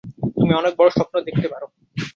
তুমি অনেক বড় স্বপ্ন দেখতে পারো।